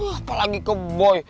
apalagi ke boy